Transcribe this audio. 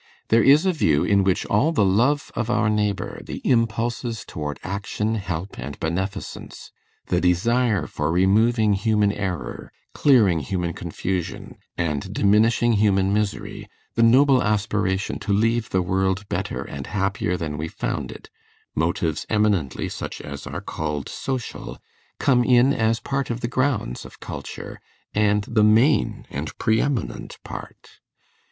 There is a view in which all the love of our neighbor, the impulses toward action, help, and beneficence, the desire for removing human error, clearing human confusion, and diminishing human misery, the noble aspiration to leave the world better and happier than we found it, motives eminently such as are called social, come in as part of the grounds of culture, and the main and pre eminent part.